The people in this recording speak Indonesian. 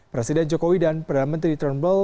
presiden jokowi dan perdana menteri turnball